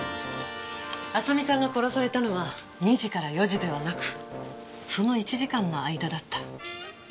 亜沙美さんが殺されたのは２時から４時ではなくその１時間の間だった。